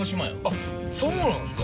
あっそうなんですか？